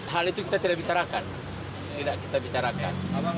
hal itu kita tidak bicarakan